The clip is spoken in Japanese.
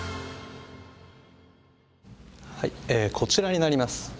こちらになります。